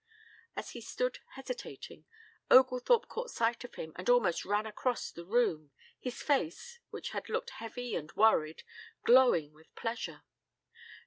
As he stood hesitating, Oglethorpe caught sight of him and almost ran across the room, his face, which had looked heavy and worried, glowing with pleasure.